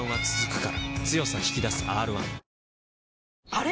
あれ？